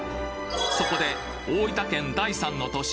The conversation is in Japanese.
そこで大分県第３の都市